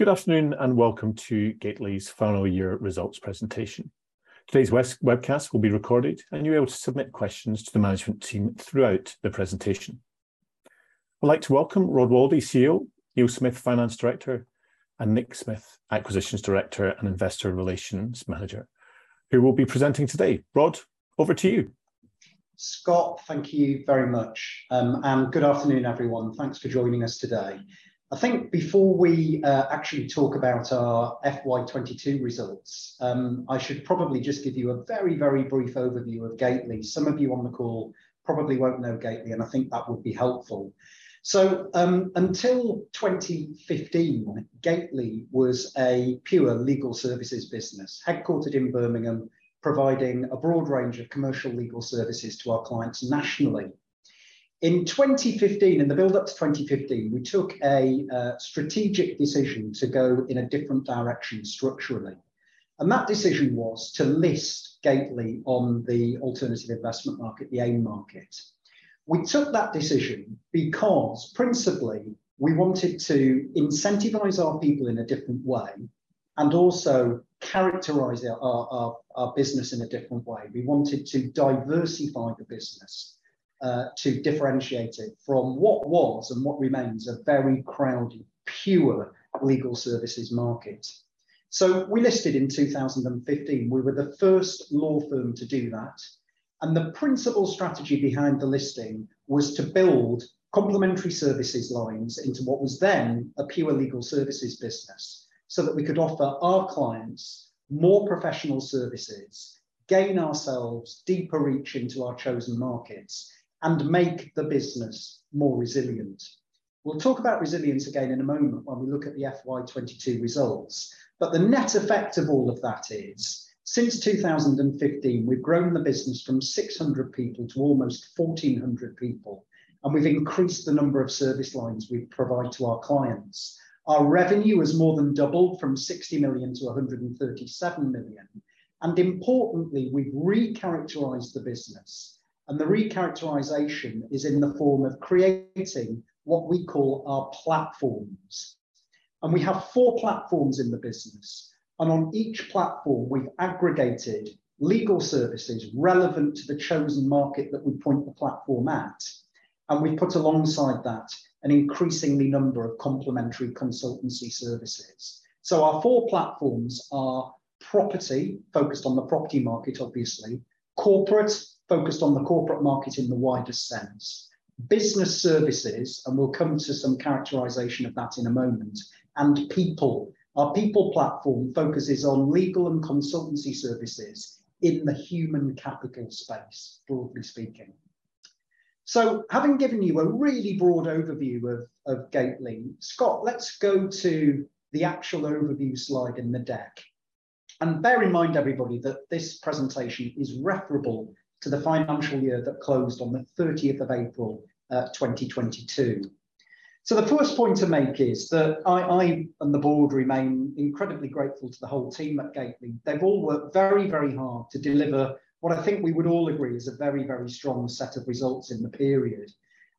Good afternoon, and welcome to Gateley's final year results presentation. Today's webcast will be recorded, and you're able to submit questions to the management team throughout the presentation. I'd like to welcome Rod Waldie, CEO, Neil Smith, Finance Director, and Nick Smith, Acquisitions Director and Head of Investor Relations, who will be presenting today. Rod, over to you. Scott, thank you very much. Good afternoon, everyone. Thanks for joining us today. I think before we actually talk about our FY 2022 results, I should probably just give you a very, very brief overview of Gateley. Some of you on the call probably won't know Gateley, and I think that would be helpful. Until 2015, Gateley was a pure legal services business, headquartered in Birmingham, providing a broad range of commercial legal services to our clients nationally. In 2015, in the build up to 2015, we took a strategic decision to go in a different direction structurally, and that decision was to list Gateley on the alternative investment market, the AIM market. We took that decision because principally we wanted to incentivize our people in a different way, and also characterize our business in a different way. We wanted to diversify the business to differentiate it from what was and what remains a very crowded, pure legal services market. We listed in 2015. We were the first law firm to do that, and the principal strategy behind the listing was to build complementary services lines into what was then a pure legal services business, so that we could offer our clients more professional services, gain ourselves deeper reach into our chosen markets, and make the business more resilient. We'll talk about resilience again in a moment when we look at the FY 2022 results. The net effect of all of that is, since 2015, we've grown the business from 600 people to almost 1,400 people, and we've increased the number of service lines we provide to our clients. Our revenue has more than doubled from 60 million to 137 million. Importantly, we've recharacterized the business, and the recharacterization is in the form of creating what we call our platforms. We have four platforms in the business. On each platform, we've aggregated legal services relevant to the chosen market that we point the platform at, and we put alongside that an increasing number of complementary consultancy services. Our four platforms are property, focused on the property market, obviously. Corporate, focused on the corporate market in the wider sense. Business services, and we'll come to some characterization of that in a moment and people. Our people platform focuses on legal and consultancy services in the human capital space, broadly speaking. Having given you a really broad overview of Gateley, Scott, let's go to the actual overview slide in the deck. Bear in mind, everybody, that this presentation is referable to the financial year that closed on the April 30th, 2022. The first point to make is that I and the board remain incredibly grateful to the whole team at Gateley. They've all worked very, very hard to deliver what I think we would all agree is a very, very strong set of results in the period.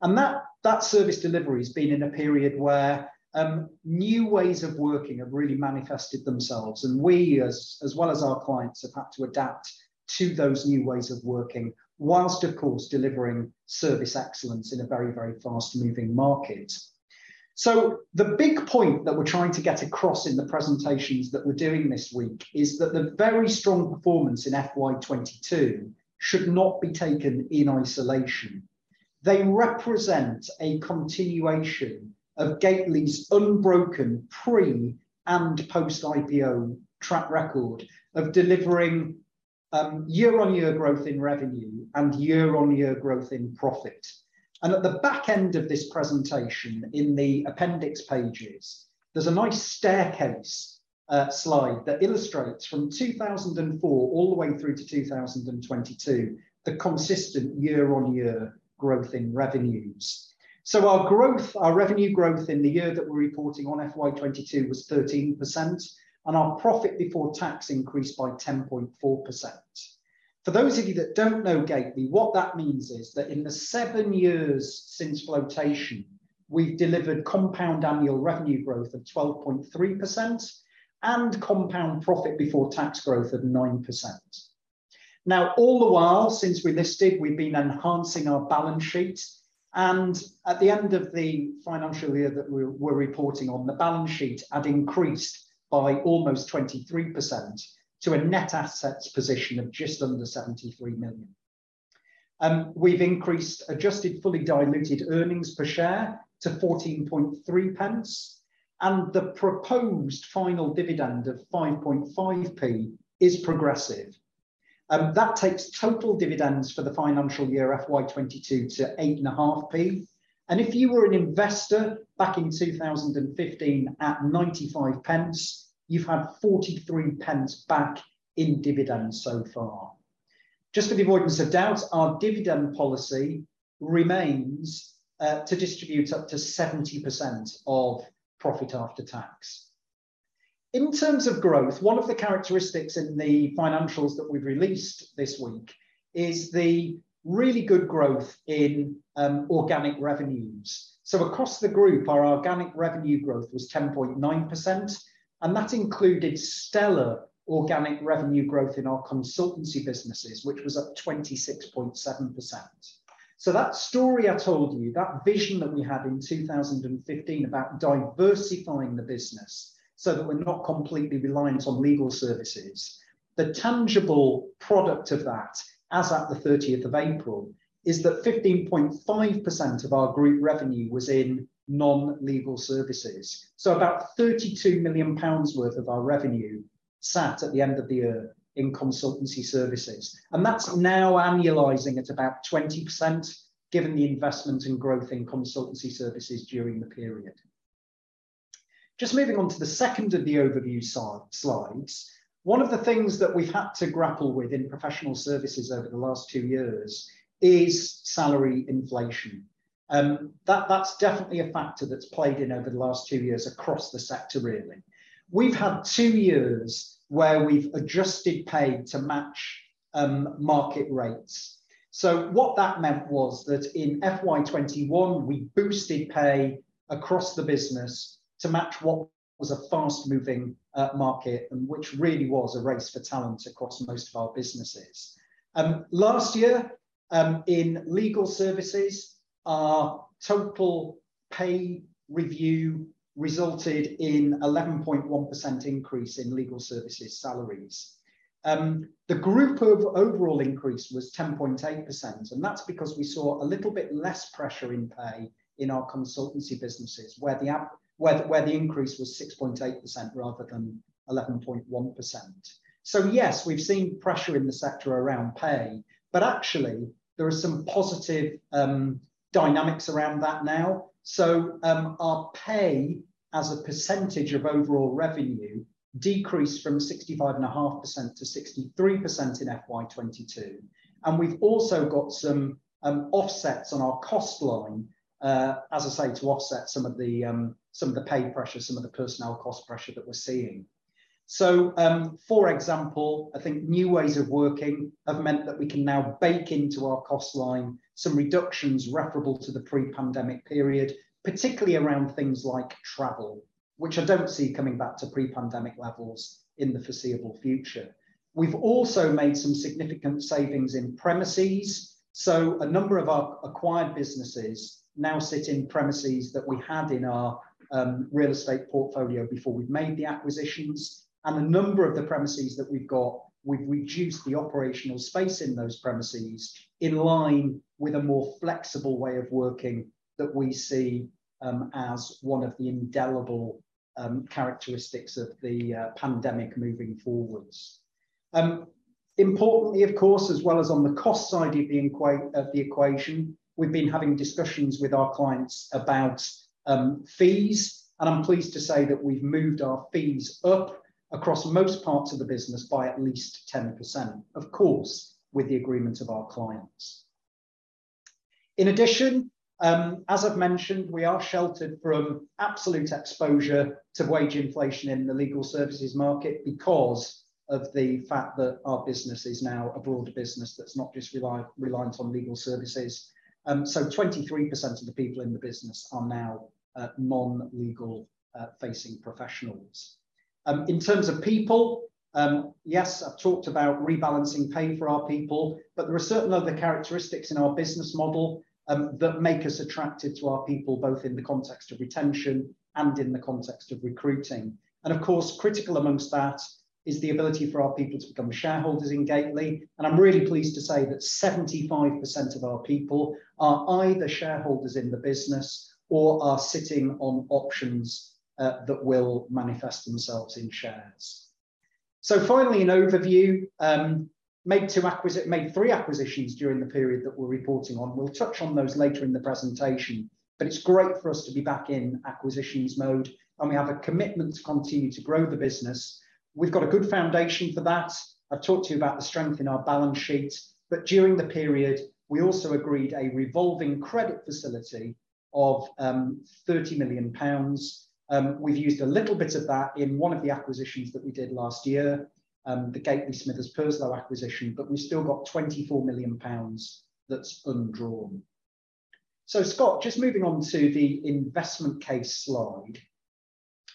That service delivery has been in a period where new ways of working have really manifested themselves, and we as well as our clients, have had to adapt to those new ways of working while, of course, delivering service excellence in a very, very fast moving market. The big point that we're trying to get across in the presentations that we're doing this week is that the very strong performance in FY 2022 should not be taken in isolation. They represent a continuation of Gateley's unbroken pre- and post-IPO track record of delivering year-on-year growth in revenue and year-on-year growth in profit. At the back end of this presentation, in the appendix pages, there's a nice staircase slide that illustrates from 2004 all the way through to 2022, the consistent year-on-year growth in revenues. Our growth, our revenue growth in the year that we're reporting on, FY 2022, was 13%, and our profit before tax increased by 10.4%. For those of you that don't know Gateley, what that means is that in the seven years since flotation, we've delivered compound annual revenue growth of 12.3% and compound profit before tax growth of 9%. Now, all the while since we listed, we've been enhancing our balance sheet, and at the end of the financial year that we're reporting on, the balance sheet had increased by almost 23% to a net assets position of just under 73 million. We've increased adjusted fully diluted earnings per share to 0.143, and the proposed final dividend of 0.55 is progressive. That takes total dividends for the financial year, FY 2022, to 0.85. If you were an investor back in 2015 at 0.95, you've had 0.43 back in dividends so far. Just for the avoidance of doubt, our dividend policy remains to distribute up to 70% of profit after tax. In terms of growth, one of the characteristics in the financials that we've released this week is the really good growth in organic revenues. Across the group, our organic revenue growth was 10.9%, and that included stellar organic revenue growth in our consultancy businesses, which was up 26.7%. That story I told you, that vision that we had in 2015 about diversifying the business so that we're not completely reliant on legal services, the tangible product of that, as at the 30th of April, is that 15.5% of our group revenue was in non-legal services. About 32 million pounds worth of our revenue sat at the end of the year in consultancy services. That's now annualizing at about 20% given the investment and growth in consultancy services during the period. Just moving on to the second of the overview slides. One of the things that we've had to grapple with in professional services over the last two years is salary inflation. That's definitely a factor that's played in over the last two years across the sector really. We've had two years where we've adjusted pay to match market rates. What that meant was that in FY 2021, we boosted pay across the business to match what was a fast-moving market, and which really was a race for talent across most of our businesses. Last year, in legal services, our total pay review resulted in 11.1% increase in legal services salaries. The group's overall increase was 10.8%, and that's because we saw a little bit less pressure in pay in our consultancy businesses where the increase was 6.8% rather than 11.1%. Yes, we've seen pressure in the sector around pay, but actually there are some positive dynamics around that now. Our pay as a percentage of overall revenue decreased from 65.5% to 63% in FY 2022. We've also got some offsets on our cost line, as I say, to offset some of the pay pressure, some of the personnel cost pressure that we're seeing. For example, I think new ways of working have meant that we can now bake into our cost line some reductions referable to the pre-pandemic period, particularly around things like travel, which I don't see coming back to pre-pandemic levels in the foreseeable future. We've also made some significant savings in premises. A number of our acquired businesses now sit in premises that we had in our real estate portfolio before we'd made the acquisitions. A number of the premises that we've got, we've reduced the operational space in those premises in line with a more flexible way of working that we see as one of the indelible characteristics of the pandemic moving forwards. Importantly, of course, as well as on the cost side of the equation, we've been having discussions with our clients about fees. I'm pleased to say that we've moved our fees up across most parts of the business by at least 10%. Of course, with the agreement of our clients. In addition, as I've mentioned, we are sheltered from absolute exposure to wage inflation in the legal services market because of the fact that our business is now a broader business that's not just reliant on legal services. 23% of the people in the business are now non-legal facing professionals. In terms of people, yes, I've talked about rebalancing pay for our people, but there are certain other characteristics in our business model that make us attractive to our people, both in the context of retention and in the context of recruiting. Of course, critical amongst that is the ability for our people to become shareholders in Gateley. I'm really pleased to say that 75% of our people are either shareholders in the business or are sitting on options that will manifest themselves in shares. Finally, in overview, made three acquisitions during the period that we're reporting on. We'll touch on those later in the presentation. It's great for us to be back in acquisitions mode, and we have a commitment to continue to grow the business. We've got a good foundation for that. I've talked to you about the strength in our balance sheet. During the period, we also agreed a revolving credit facility of 30 million pounds. We've used a little bit of that in one of the acquisitions that we did last year, the Gateley Smithers Purslow acquisition, but we've still got 24 million pounds that's undrawn. Scott, just moving on to the investment case slide.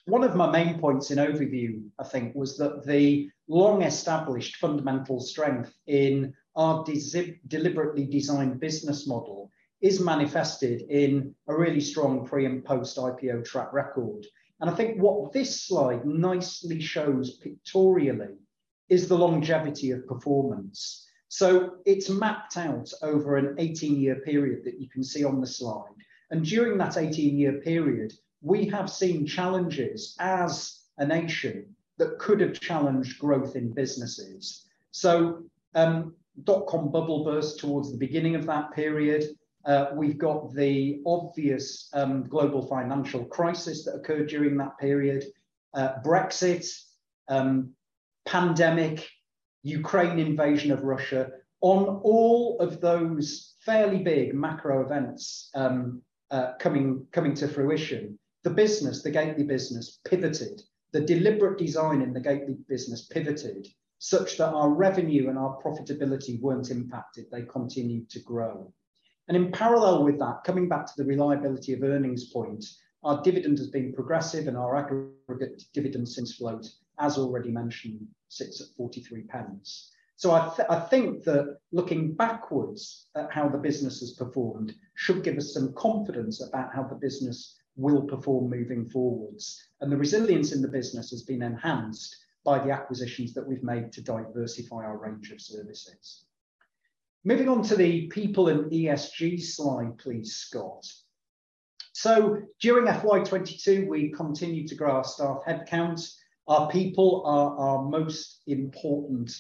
One of my main points in overview, I think, was that the long-established fundamental strength in our deliberately designed business model is manifested in a really strong pre- and post-IPO track record. I think what this slide nicely shows pictorially is the longevity of performance. It's mapped out over an 18-year period that you can see on the slide. During that 18-year period, we have seen challenges as a nation that could have challenged growth in businesses. Dotcom bubble burst towards the beginning of that period. We've got the obvious, global financial crisis that occurred during that period. Brexit, pandemic, Russia's invasion of Ukraine. On all of those fairly big macro events, coming to fruition, the business, the Gateley business pivoted. The deliberate design in the Gateley business pivoted such that our revenue and our profitability weren't impacted, they continued to grow. In parallel with that, coming back to the reliability of earnings point, our dividend has been progressive and our aggregate dividend since float, as already mentioned, sits at 0.43 pounds. I think that looking backwards at how the business has performed should give us some confidence about how the business will perform moving forwards. The resilience in the business has been enhanced by the acquisitions that we've made to diversify our range of services. Moving on to the people and ESG slide, please, Scott. During FY 2022, we continued to grow our staff headcount. Our people are our most important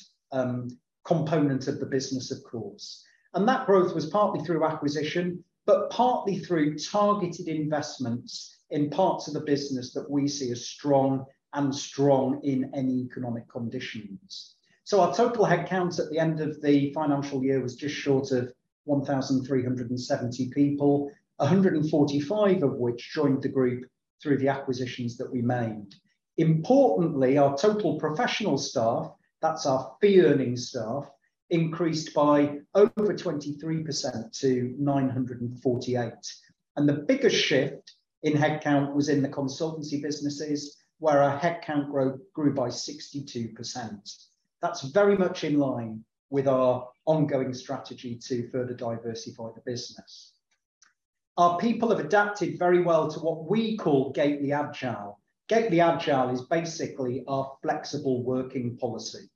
component of the business, of course. That growth was partly through acquisition, but partly through targeted investments in parts of the business that we see as strong in any economic conditions. Our total headcount at the end of the financial year was just short of 1,370 people, 145 of which joined the group through the acquisitions that we made. Importantly, our total professional staff, that's our fee-earning staff, increased by over 23% to 948. The biggest shift in headcount was in the consultancy businesses, where our headcount grew by 62%. That's very much in line with our ongoing strategy to further diversify the business. Our people have adapted very well to what we call Gateley Agile. Gateley Agile is basically our flexible working policy.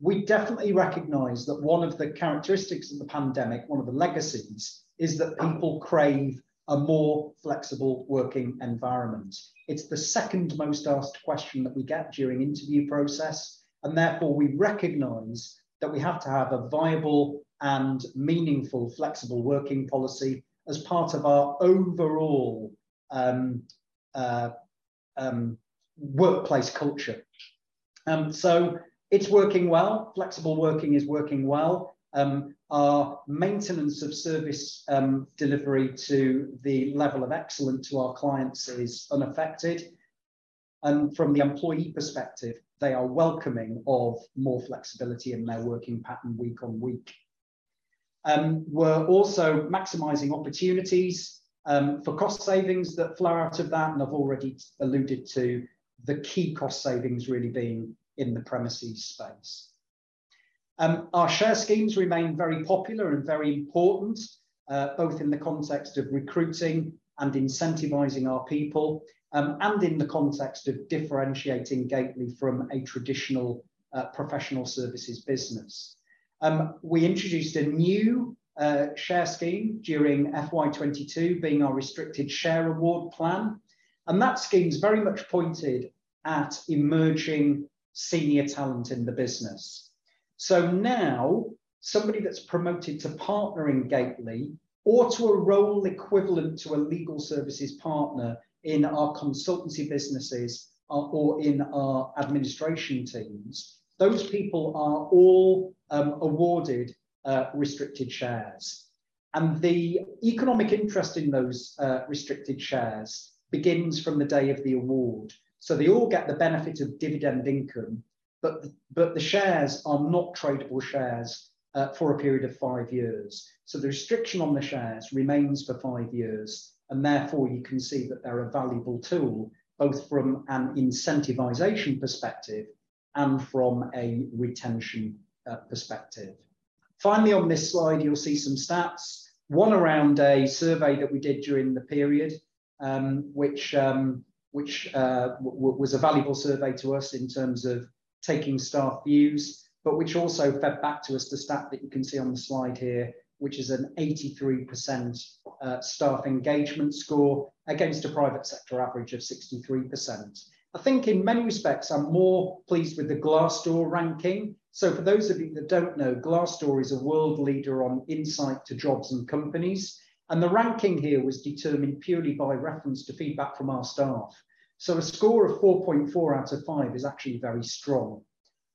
We definitely recognize that one of the characteristics of the pandemic, one of the legacies, is that people crave a more flexible working environment. It's the second-most asked question that we get during interview process, and therefore, we recognize that we have to have a viable and meaningful flexible working policy as part of our overall workplace culture. It's working well. Flexible working is working well. Our maintenance of service delivery to the level of excellence to our clients is unaffected. From the employee perspective, they are welcoming of more flexibility in their working pattern week on week. We're also maximizing opportunities for cost savings that flow out of that, and I've already alluded to the key cost savings really being in the premises space. Our share schemes remain very popular and very important, both in the context of recruiting and incentivizing our people, and in the context of differentiating Gateley from a traditional professional services business. We introduced a new share scheme during FY 2022, being our Restricted Share Award Plan, and that scheme's very much pointed at emerging senior talent in the business. Now somebody that's promoted to partner in Gateley or to a role equivalent to a legal services partner in our consultancy businesses or in our administration teams, those people are all awarded restricted shares. The economic interest in those restricted shares begins from the day of the award. They all get the benefit of dividend income, but the shares are not tradable shares for a period of five years. The restriction on the shares remains for five years, and therefore, you can see that they're a valuable tool, both from an incentivization perspective and from a retention perspective. Finally, on this slide, you'll see some stats. One around a survey that we did during the period, which was a valuable survey to us in terms of taking staff views, but which also fed back to us the stat that you can see on the slide here, which is an 83% staff engagement score against a private sector average of 63%. I think in many respects, I'm more pleased with the Glassdoor ranking. For those of you that don't know, Glassdoor is a world leader in insights into jobs and companies, and the ranking here was determined purely by reference to feedback from our staff. A score of 4.4 out of 5 is actually very strong,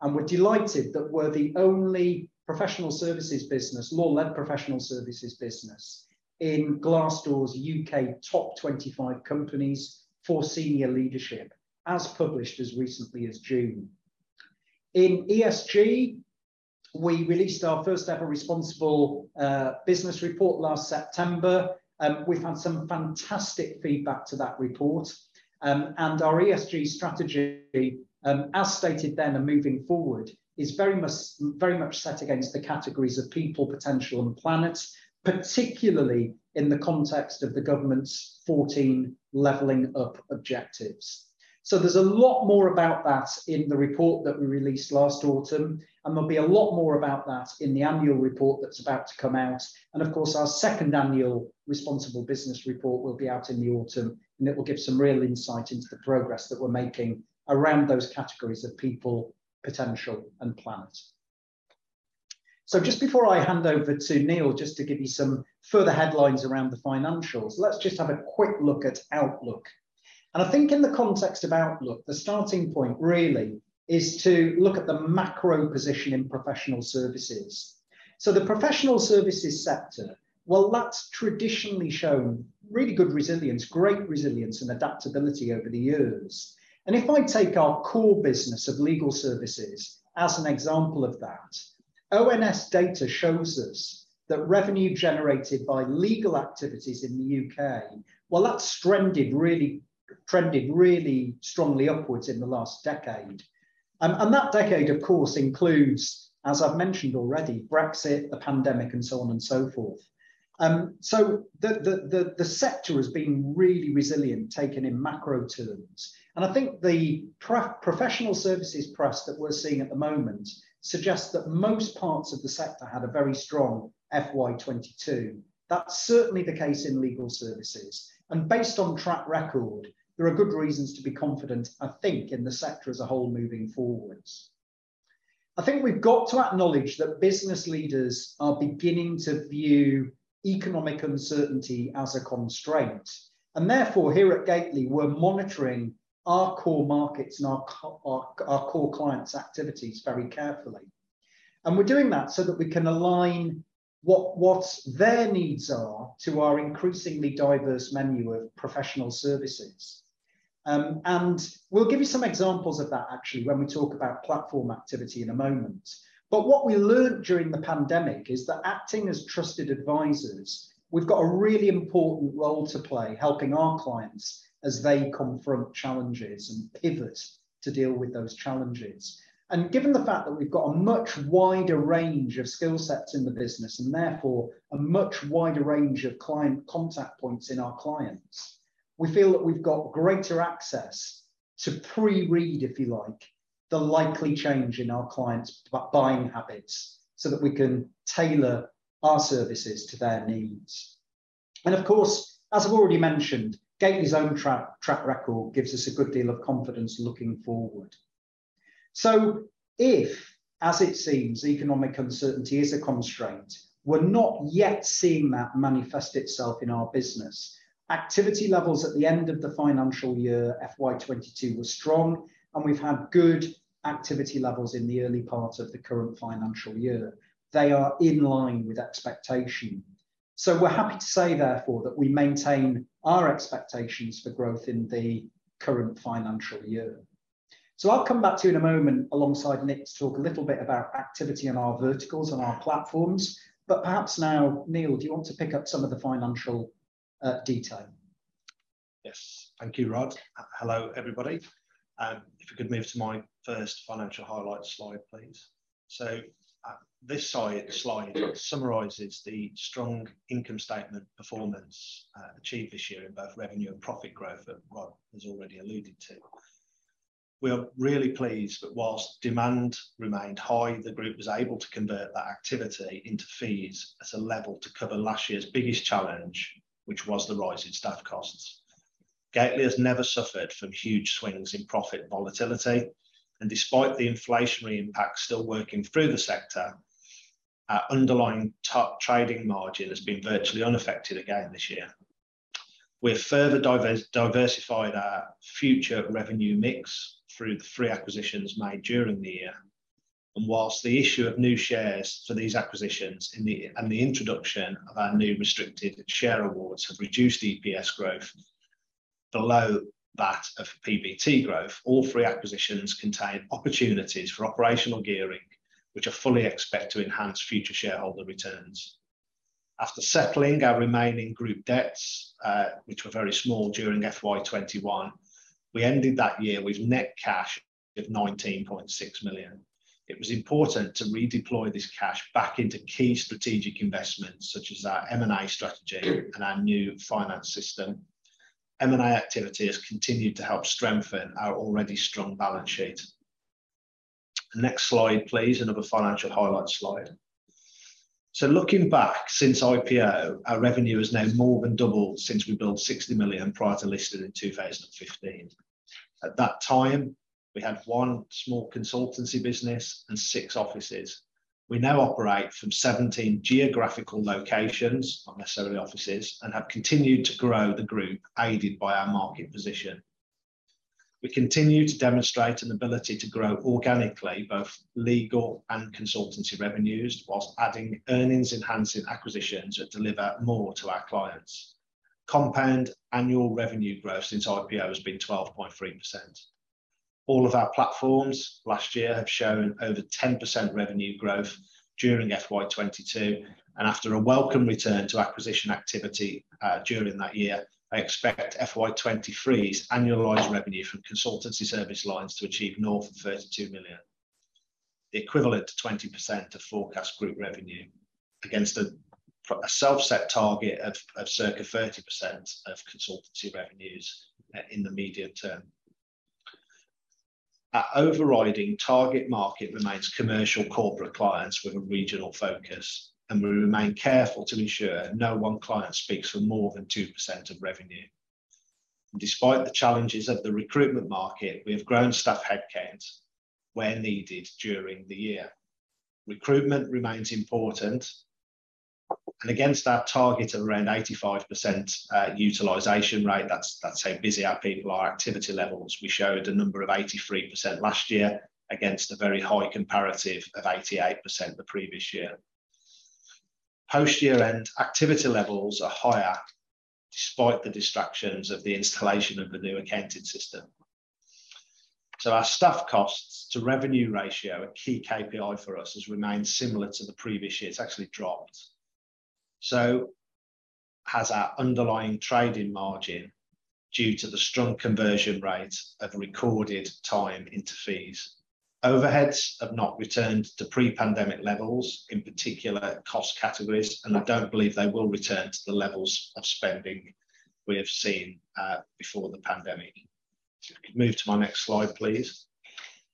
and we're delighted that we're the only professional services business, law-led professional services business in Glassdoor's U.K. top 25 companies for senior leadership, as published as recently as June. In ESG, we released our first-ever responsible business report last September. We've had some fantastic feedback to that report. Our ESG strategy, as stated then and moving forward, is very much set against the categories of people, potential, and planet, particularly in the context of the government's 14 leveling up objectives. There's a lot more about that in the report that we released last autumn, and there'll be a lot more about that in the annual report that's about to come out. Of course, our second annual responsible business report will be out in the autumn, and it will give some real insight into the progress that we're making around those categories of people, potential, and planet. Just before I hand over to Neil, just to give you some further headlines around the financials, let's just have a quick look at outlook. I think in the context of outlook, the starting point really is to look at the macro position in professional services. The professional services sector, well, that's traditionally shown really good resilience, great resilience and adaptability over the years. If I take our core business of legal services as an example of that, ONS data shows us that revenue generated by legal activities in the U.K., well, that's trended really strongly upwards in the last decade. That decade, of course, includes, as I've mentioned already, Brexit, the pandemic, and so on and so forth. So the sector has been really resilient taken in macro terms. I think the professional services press that we're seeing at the moment suggests that most parts of the sector had a very strong FY 2022. That's certainly the case in legal services. Based on track record, there are good reasons to be confident, I think, in the sector as a whole moving forwards. I think we've got to acknowledge that business leaders are beginning to view economic uncertainty as a constraint, and therefore, here at Gateley, we're monitoring our core markets and our core clients' activities very carefully. We're doing that so that we can align what their needs are to our increasingly diverse menu of professional services. We'll give you some examples of that actually when we talk about platform activity in a moment. What we learned during the pandemic is that acting as trusted advisors, we've got a really important role to play helping our clients as they confront challenges and pivot to deal with those challenges. Given the fact that we've got a much wider range of skill sets in the business, and therefore a much wider range of client contact points in our clients, we feel that we've got greater access to pre-read, if you like, the likely change in our clients' buying habits so that we can tailor our services to their needs. Of course, as I've already mentioned, Gateley's own track record gives us a good deal of confidence looking forward. If, as it seems, economic uncertainty is a constraint, we're not yet seeing that manifest itself in our business. Activity levels at the end of the financial year, FY 2022, were strong, and we've had good activity levels in the early part of the current financial year. They are in line with expectation. We're happy to say therefore that we maintain our expectations for growth in the current financial year. I'll come back to you in a moment alongside Nick to talk a little bit about activity in our verticals and our platforms. Perhaps now, Neil, do you want to pick up some of the financial detail? Yes. Thank you, Rod. Hello, everybody. If we could move to my first financial highlights slide, please. This slide summarizes the strong income statement performance achieved this year in both revenue and profit growth that Rod has already alluded to. We are really pleased that while demand remained high, the group was able to convert that activity into fees at a level to cover last year's biggest challenge, which was the rise in staff costs. Gateley has never suffered from huge swings in profit volatility, and despite the inflationary impact still working through the sector, our underlying trading margin has been virtually unaffected again this year. We have further diversified our future revenue mix through the three acquisitions made during the year. While the issue of new shares for these acquisitions and the introduction of our new restricted share awards have reduced EPS growth below that of PBT growth. All three acquisitions contain opportunities for operational gearing, which I fully expect to enhance future shareholder returns. After settling our remaining group debts, which were very small during FY 2021, we ended that year with net cash of 19.6 million. It was important to redeploy this cash back into key strategic investments such as our M&A strategy and our new finance system. M&A activity has continued to help strengthen our already strong balance sheet. Next slide, please, another financial highlight slide. Looking back, since IPO, our revenue has now more than doubled since we billed 60 million prior to listing in 2015. At that time, we had one small consultancy business and six offices. We now operate from 17 geographical locations, not necessarily offices, and have continued to grow the group aided by our market position. We continue to demonstrate an ability to grow organically, both legal and consultancy revenues, while adding earnings enhancing acquisitions that deliver more to our clients. Compound annual revenue growth since IPO has been 12.3%. All of our platforms last year have shown over 10% revenue growth during FY 2022. After a welcome return to acquisition activity during that year, I expect FY 2023's annualized revenue from consultancy service lines to achieve north of 32 million, the equivalent to 20% of forecast group revenue against a self-set target of circa 30% of consultancy revenues in the medium-term. Our overriding target market remains commercial corporate clients with a regional focus, and we remain careful to ensure no one client speaks for more than 2% of revenue. Despite the challenges of the recruitment market, we have grown staff headcount where needed during the year. Recruitment remains important. Against our target of around 85%, utilization rate, that's how busy our people are, activity levels, we showed a number of 83% last year against a very high comparative of 88% the previous year. Post-year-end activity levels are higher despite the distractions of the installation of the new accounting system. Our staff costs to revenue ratio, a key KPI for us, has remained similar to the previous year. It's actually dropped. Our underlying trading margin due to the strong conversion rate of recorded time into fees. Overheads have not returned to pre-pandemic levels, in particular cost categories, and I don't believe they will return to the levels of spending we have seen before the pandemic. If you could move to my next slide, please.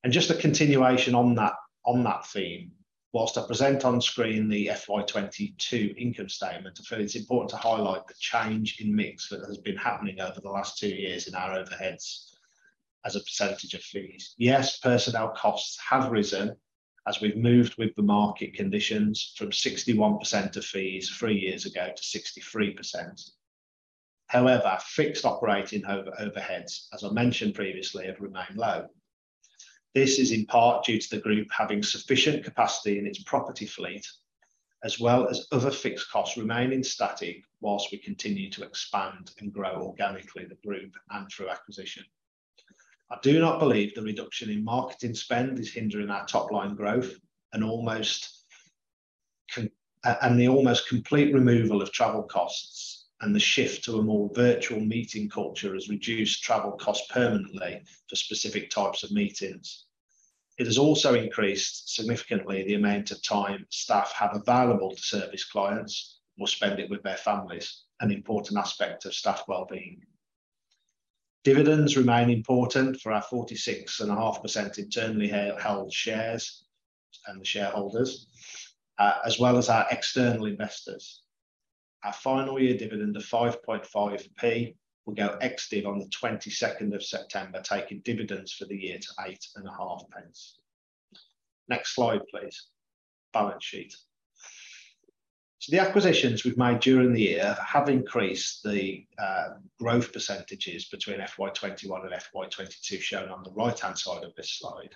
Just a continuation on that, on that theme. While I present on screen the FY 2022 income statement, I feel it's important to highlight the change in mix that has been happening over the last two years in our overheads as a percentage of fees. Yes, personnel costs have risen as we've moved with the market conditions from 61% of fees three years ago to 63%. However, fixed operating overheads, as I mentioned previously, have remained low. This is in part due to the group having sufficient capacity in its property fleet, as well as other fixed costs remaining static while we continue to expand and grow organically the group and through acquisition. I do not believe the reduction in marketing spend is hindering our top line growth and the almost complete removal of travel costs and the shift to a more virtual meeting culture has reduced travel costs permanently for specific types of meetings. It has also increased significantly the amount of time staff have available to service clients or spend it with their families, an important aspect of staff wellbeing. Dividends remain important for our 46.5% internally held shares and the shareholders, as well as our external investors. Our final year dividend of 0.55 will go ex-div on the September 22nd, taking dividends for the year to 0.85. Next slide, please. Balance sheet. The acquisitions we've made during the year have increased the growth percentages between FY 2021 and FY 2022 shown on the right-hand side of this slide.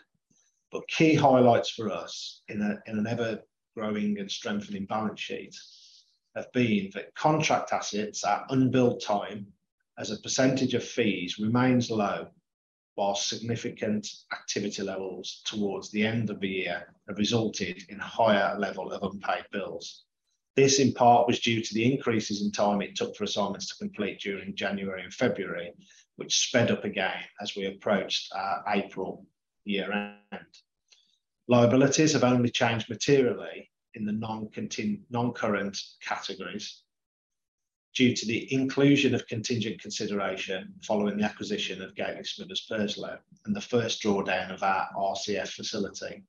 Key highlights for us in a, in an ever-growing and strengthening balance sheet have been that contract assets, our unbilled time as a percentage of fees remains low, while significant activity levels towards the end of the year have resulted in higher level of unpaid bills. This, in part, was due to the increases in time it took for assignments to complete during January and February, which sped up again as we approached our April year-end. Liabilities have only changed materially in the non-current categories due to the inclusion of contingent consideration following the acquisition of Gateley Smithers Purslow and the first drawdown of our RCF facility.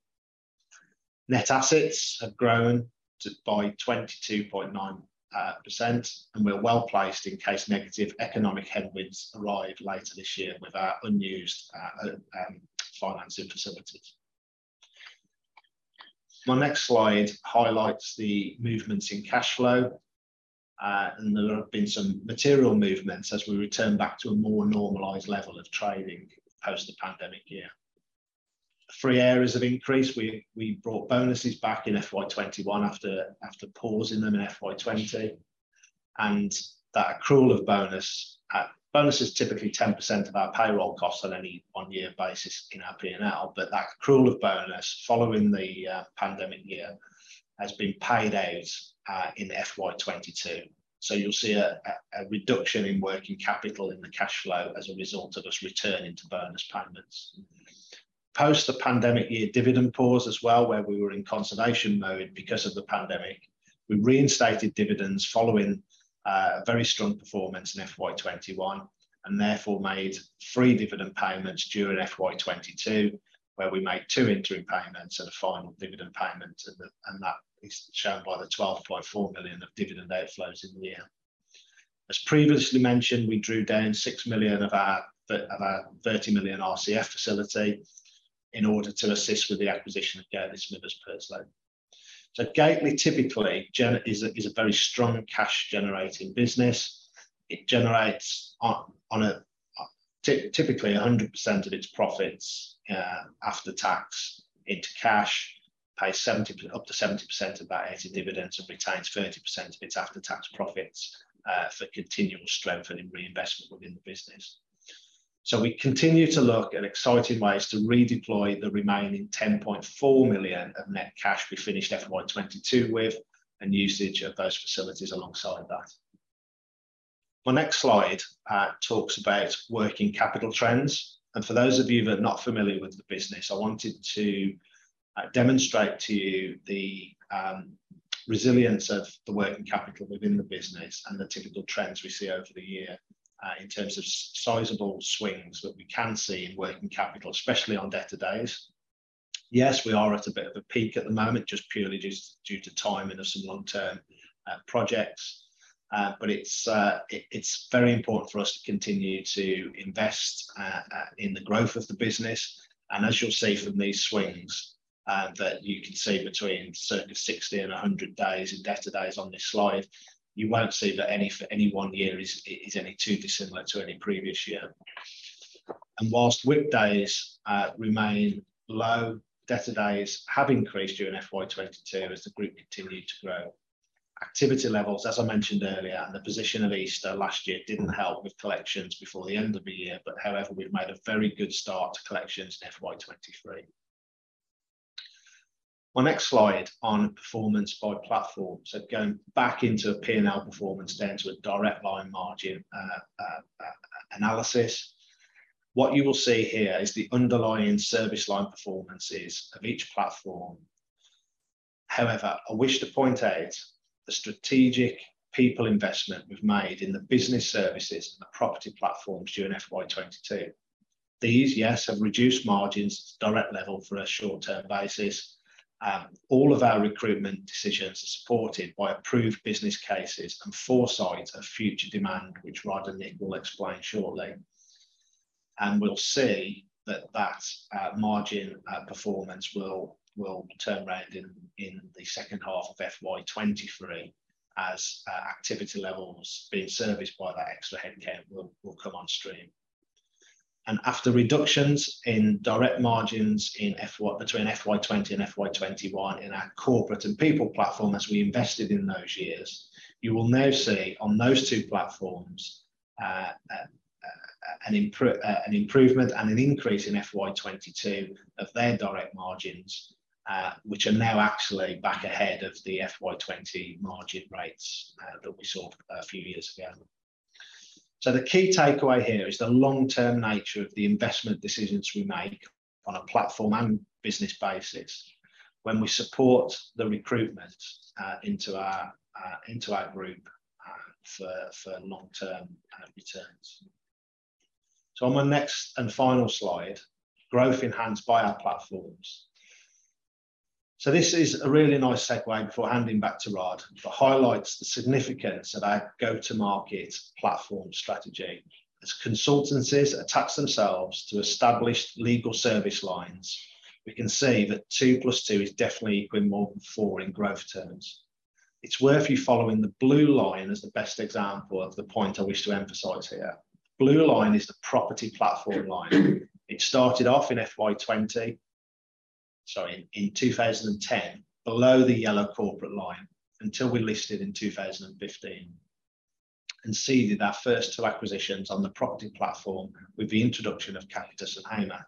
Net assets have grown to by 22.9%, and we're well-placed in case negative economic headwinds arrive later this year with our unused financing facilities. My next slide highlights the movements in cash flow. There have been some material movements as we return back to a more normalized level of trading post the pandemic year. Three areas of increase. We brought bonuses back in FY 2021 after pausing them in FY 2020. That accrual of bonus. Bonus is typically 10% of our payroll cost on any one-year basis in our P&L. That accrual of bonus following the pandemic year has been paid out in FY 2022. You'll see a reduction in working capital in the cash flow as a result of us returning to bonus payments. Post the pandemic year dividend pause as well, where we were in conservation mode because of the pandemic, we reinstated dividends following a very strong performance in FY 2021 and therefore made three dividend payments during FY 2022, where we made two interim payments and a final dividend payment. That is shown by the 12.4 million of dividend outflows in the year. As previously mentioned, we drew down 6 million of our 30 million RCF facility in order to assist with the acquisition of Gateley Smithers Purslow. Gateley typically is a very strong cash generating business. It generates typically 100% of its profits after tax into cash, pays up to 70% of that out in dividends and retains 30% of its after-tax profits for continual strength and in reinvestment within the business. We continue to look at exciting ways to redeploy the remaining 10.4 million of net cash we finished FY 2022 with and usage of those facilities alongside that. My next slide talks about working capital trends. For those of you that are not familiar with the business, I wanted to demonstrate to you the resilience of the working capital within the business and the typical trends we see over the year in terms of sizeable swings that we can see in working capital, especially on debtor days. Yes, we are at a bit of a peak at the moment, just purely due to timing of some long-term projects. It's very important for us to continue to invest in the growth of the business. As you'll see from these swings that you can see between sort of 60 and 100 days in debtor days on this slide, you won't see that any one year is any too dissimilar to any previous year. While WIP days remain low, debtor days have increased during FY 2022 as the group continued to grow. Activity levels, as I mentioned earlier, and the position of Easter last year didn't help with collections before the end of the year. However, we've made a very good start to collections in FY 2023. My next slide on performance by platform, so going back into P&L performance then to a direct line margin analysis. What you will see here is the underlying service line performances of each platform. However, I wish to point out the strategic people investment we've made in the business services and the property platforms during FY 2022. These, yes, have reduced margins direct level for a short-term basis. All of our recruitment decisions are supported by approved business cases and foresight of future demand, which Rod and Nick will explain shortly. We'll see that margin performance will turn around in the second half of FY 2023 as activity levels being serviced by that extra headcount will come on stream. After reductions in direct margins between FY 2020 and FY 2021 in our corporate and people platform as we invested in those years, you will now see on those two platforms an improvement and an increase in FY 2022 of their direct margins, which are now actually back ahead of the FY 2020 margin rates that we saw a few years ago. The key takeaway here is the long-term nature of the investment decisions we make on a platform and business basis when we support the recruitment into our group for long-term returns. On my next and final slide, growth enhanced by our platforms. This is a really nice segue before handing back to Rod that highlights the significance of our go-to-market platform strategy. As consultancies attach themselves to established legal service lines, we can see that 2+2 is definitely equaling more than four in growth terms. It's worth you following the blue line as the best example of the point I wish to emphasize here. Blue line is the property platform line. It started off in 2010 below the yellow corporate line until we listed in 2015 and seeded our first two acquisitions on the property platform with the introduction of Gateley Capitus and Gateley Hamer.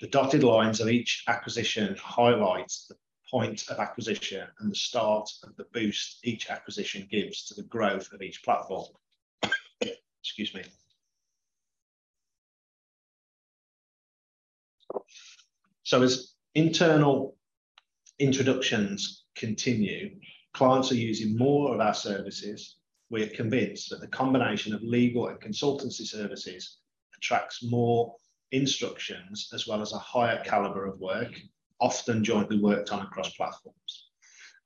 The dotted lines of each acquisition highlights the point of acquisition and the start of the boost each acquisition gives to the growth of each platform. Excuse me. As internal introductions continue, clients are using more of our services. We're convinced that the combination of legal and consultancy services attracts more instructions as well as a higher caliber of work, often jointly worked on across platforms.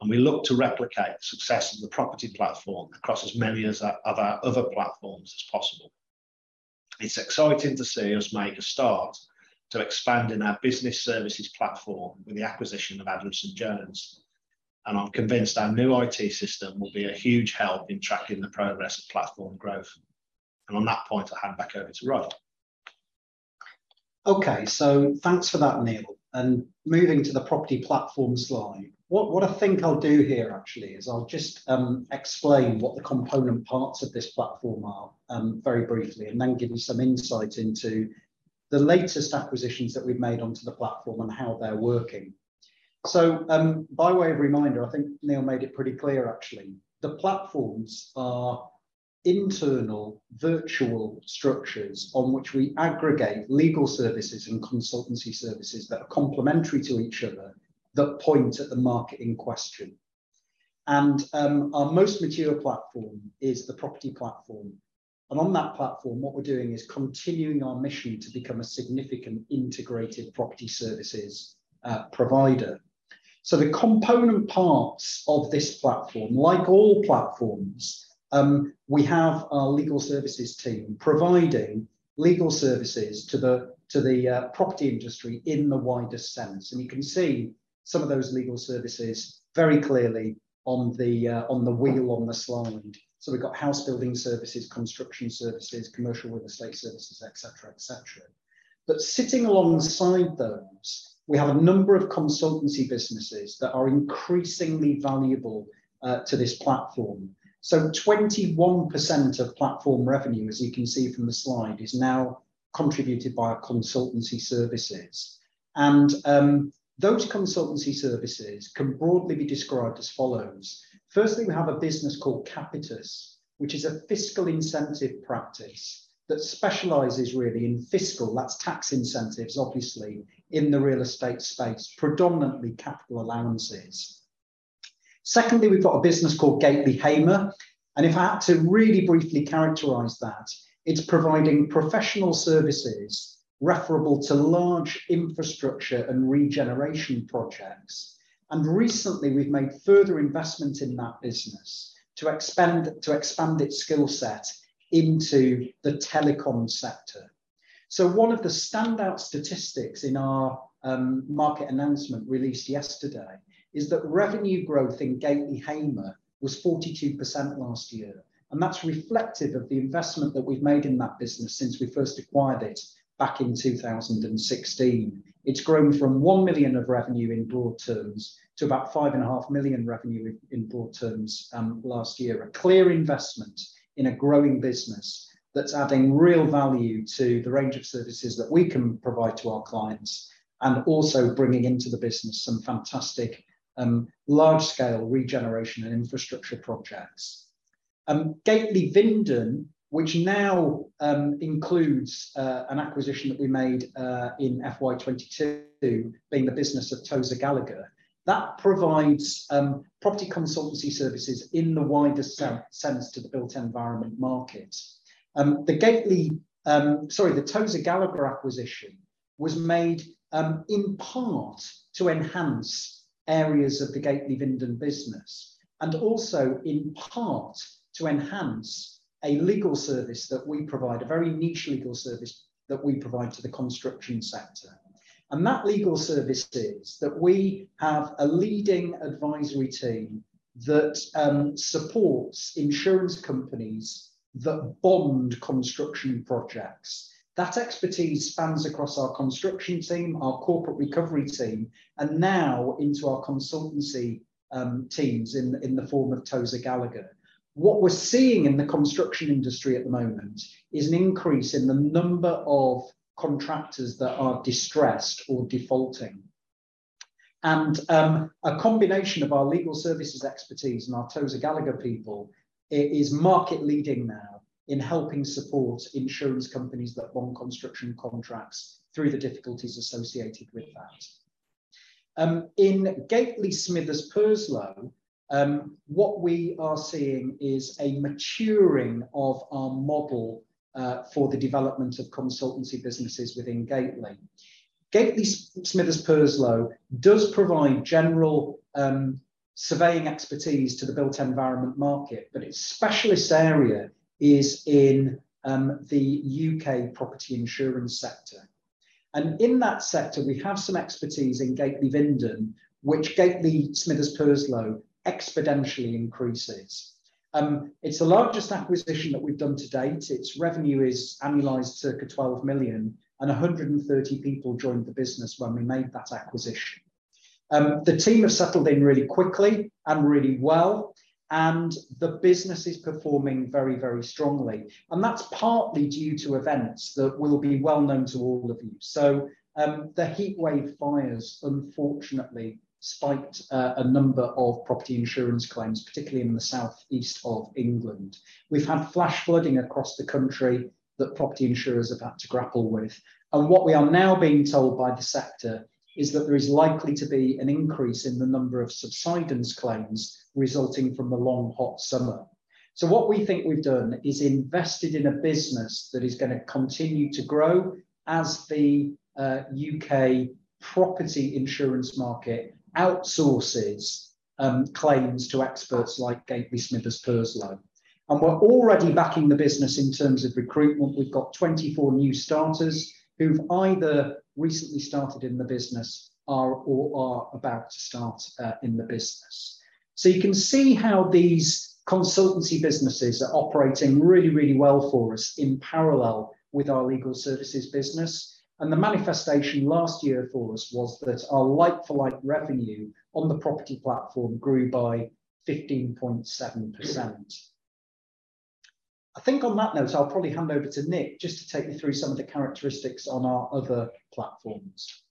We look to replicate success of the property platform across as many as of our other platforms as possible. It's exciting to see us make a start to expanding our business services platform with the acquisition of Adamson Jones. I'm convinced our new IT system will be a huge help in tracking the progress of platform growth. On that point, I'll hand back over to Rod. Okay. Thanks for that, Neil. Moving to the property platform slide. What I think I'll do here actually is I'll just explain what the component parts of this platform are very briefly, and then give you some insight into the latest acquisitions that we've made onto the platform and how they're working. By way of reminder, I think Neil made it pretty clear actually, the platforms are internal virtual structures on which we aggregate legal services and consultancy services that are complementary to each other that point at the market in question. Our most material platform is the property platform. On that platform, what we're doing is continuing our mission to become a significant integrated property services provider. The component parts of this platform, like all platforms, we have our legal services team providing legal services to the property industry in the widest sense. You can see some of those legal services very clearly on the wheel on the slide. We've got house building services, construction services, commercial real estate services, etc. Sitting alongside those, we have a number of consultancy businesses that are increasingly valuable to this platform. 21% of platform revenue, as you can see from the slide, is now contributed by our consultancy services. Those consultancy services can broadly be described as follows. Firstly, we have a business called Capitus, which is a fiscal incentive practice that specializes really in fiscal, that's tax incentives obviously, in the real estate space, predominantly capital allowances. Secondly, we've got a business called Gateley Hamer, and if I had to really briefly characterize that, it's providing professional services referable to large infrastructure and regeneration projects. Recently we've made further investments in that business to expand its skill set into the telecom sector. One of the standout statistics in our market announcement released yesterday is that revenue growth in Gateley Hamer was 42% last year, and that's reflective of the investment that we've made in that business since we first acquired it back in 2016. It's grown from 1 million of revenue in broad terms to about 5.5 million revenue in broad terms last year. A clear investment in a growing business that's adding real value to the range of services that we can provide to our clients and also bringing into the business some fantastic large-scale regeneration and infrastructure projects. Gateley Vinden, which now includes an acquisition that we made in FY 2022, being the business of Tozer Gallagher, that provides property consultancy services in the wider sectors to the built environment market. The Tozer Gallagher acquisition was made in part to enhance areas of the Gateley Vinden business and also in part to enhance a very niche legal service that we provide to the construction sector. That legal service is that we have a leading advisory team that supports insurance companies that bond construction projects. That expertise spans across our construction team, our corporate recovery team, and now into our consultancy teams in the form of Tozer Gallagher. What we're seeing in the construction industry at the moment is an increase in the number of contractors that are distressed or defaulting. A combination of our legal services expertise and our Tozer Gallagher people is market leading now in helping support insurance companies that bond construction contracts through the difficulties associated with that. In Gateley Smithers Purslow, what we are seeing is a maturing of our model for the development of consultancy businesses within Gateley. Gateley Smithers Purslow does provide general surveying expertise to the built environment market, but its specialist area is in the U.K. property insurance sector. In that sector, we have some expertise in Gateley Vinden which Gateley Smithers Purslow exponentially increases. It's the largest acquisition that we've done to date. Its revenue is annualized circa 12 million, and 130 people joined the business when we made that acquisition. The team have settled in really quickly and really well, and the business is performing very, very strongly, and that's partly due to events that will be well known to all of you. The heatwave fires unfortunately spiked a number of property insurance claims, particularly in the southeast of England. We've had flash flooding across the country that property insurers have had to grapple with. What we are now being told by the sector is that there is likely to be an increase in the number of subsidence claims resulting from the long, hot summer. What we think we've done is invested in a business that is going to continue to grow as the U.K. property insurance market outsources claims to experts like Gateley Smithers Purslow. We're already backing the business in terms of recruitment. We've got 24 new starters who've either recently started in the business or are about to start in the business. You can see how these consultancy businesses are operating really, really well for us in parallel with our legal services business. The manifestation last year for us was that our like-for-like revenue on the property platform grew by 15.7%. I think on that note, I'll probably hand over to Nick just to take you through some of the characteristics on our other platforms.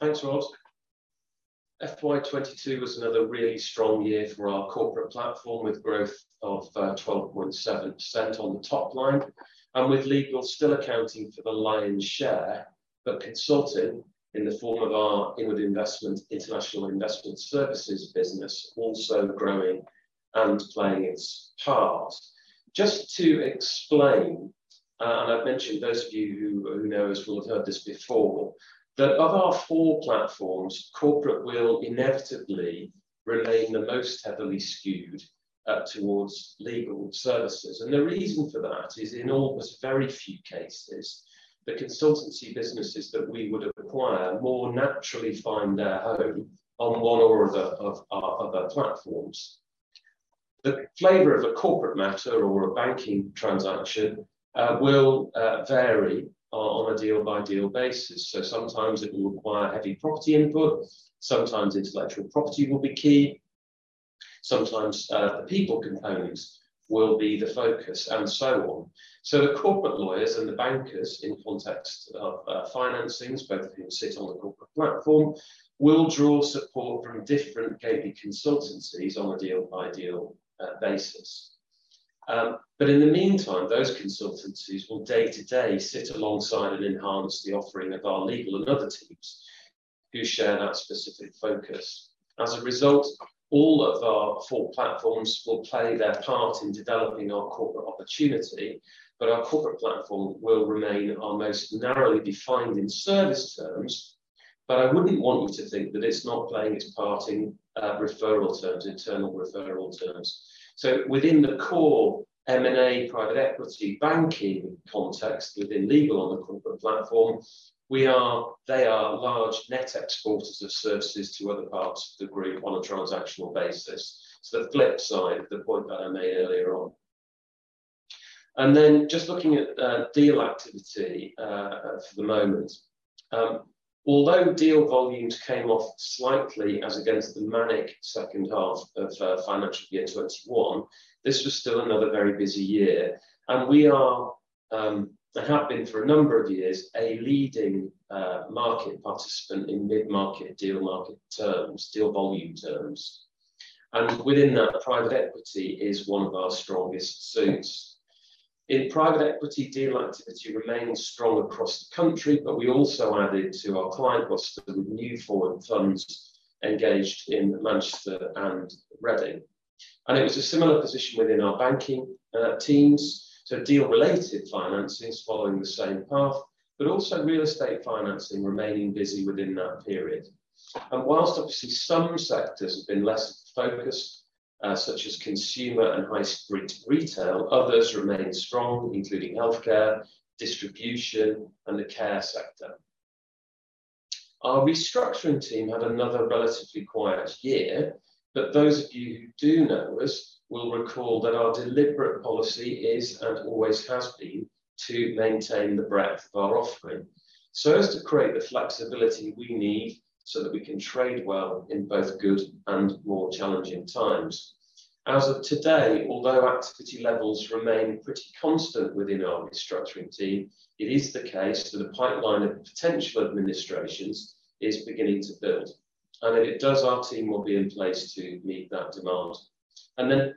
Thanks, Rod. FY 2022 was another really strong year for our corporate platform, with growth of 12.7% on the top line and with legal still accounting for the lion's share. Consulting in the form of our inward investment, International Investment Services business also growing and playing its part. Just to explain, and I've mentioned those of you who know us will have heard this before, that of our four platforms, corporate will inevitably remain the most heavily skewed towards legal services. The reason for that is, in all but very few cases, the consultancy businesses that we would acquire more naturally find their home on one or other of our other platforms. The flavor of a corporate matter or a banking transaction will vary on a deal-by-deal basis. Sometimes it will require heavy property input, sometimes intellectual property will be key, sometimes the people component will be the focus, and so on. The corporate lawyers and the bankers in context of financings, both of whom sit on the corporate platform, will draw support from different Gateley consultancies on a deal-by-deal basis. In the meantime, those consultancies will day-to-day sit alongside and enhance the offering of our legal and other teams who share that specific focus. As a result, all of our four platforms will play their part in developing our corporate opportunity, but our corporate platform will remain our most narrowly defined in service terms. I wouldn't want you to think that it's not playing its part in referral terms, internal referral terms. Within the core M&A private equity banking context within legal on the corporate platform, they are large net exporters of services to other parts of the group on a transactional basis. The flip side of the point that I made earlier on. Just looking at deal activity for the moment. Although deal volumes came off slightly as against the manic second half of financial year 2021, this was still another very busy year. We are and have been for a number of years a leading market participant in mid-market deal market terms, deal volume terms. Within that, private equity is one of our strongest suits. In private equity, deal activity remains strong across the country, but we also added to our client roster with new foreign funds engaged in Manchester and Reading. It was a similar position within our banking teams, so deal-related financings following the same path, but also real estate financing remaining busy within that period. While obviously some sectors have been less focused, such as consumer and high street retail, others remain strong, including healthcare, distribution, and the care sector. Our restructuring team had another relatively quiet year, but those of you who do know us will recall that our deliberate policy is, and always has been, to maintain the breadth of our offering so as to create the flexibility we need so that we can trade well in both good and more challenging times. As of today, although activity levels remain pretty constant within our restructuring team, it is the case that a pipeline of potential administrations is beginning to build. If it does, our team will be in place to meet that demand.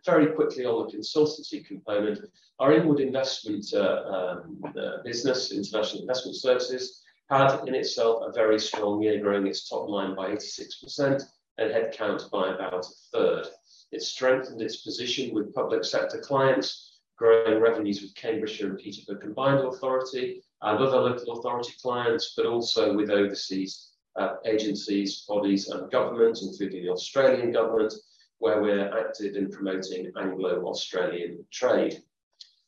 Very quickly on the consultancy component, our inward investment business, International Investment Services, had in itself a very strong year, growing its top line by 86% and headcount by about 1/3. It strengthened its position with public sector clients, growing revenues with Cambridgeshire and Peterborough Combined Authority and other local authority clients, but also with overseas agencies, bodies and governments, including the Australian government, where we're active in promoting Anglo-Australian trade.